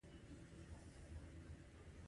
په بې مثاله شر له اړخه.